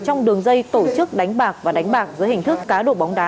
trong đường dây tổ chức đánh bạc và đánh bạc dưới hình thức cá độ bóng đá